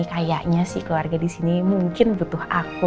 kayaknya sih keluarga di sini mungkin butuh aku